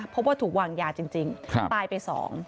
พบว่าถูกวางยาจริงตายไป๒